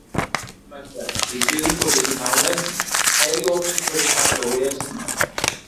Bu yil maktab, litsey yoki kollejni tamomlaysizmi? Qayerga o‘qishga kirish haqida o‘ylayapsizmi?